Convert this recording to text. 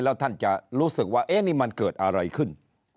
แล้วท่านจะรู้สึกว่านี่มันเกิดอะไรขึ้น